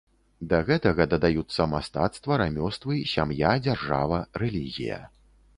Да гэтага дадаюцца мастацтва, рамёствы, сям'я, дзяржава, рэлігія.